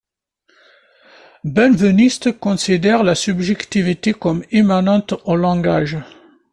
Benveniste considère la subjectivité comme immanente au langage.